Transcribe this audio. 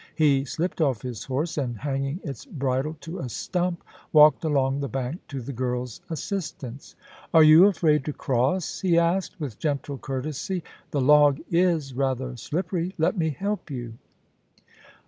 He slipped off" his horse, and hanging its bridle to a stump, walked along the bank to the girFs assistance. * Are you afraid to cross ?* he asked, with gentle courtesy. *The log is rather slippery. I^t me help you.